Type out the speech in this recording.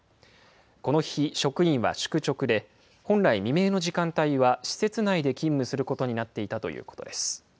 この日、職員は宿直で、本来、未明の時間帯は施設内で勤務することになっていたということです。